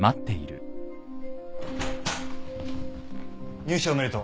入社おめでとう。